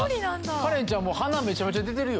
カレンちゃん鼻めちゃめちゃ出てるよ。